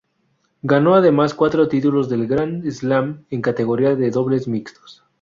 Ganó además cuatro títulos del Grand Slam en categoría de dobles mixtos.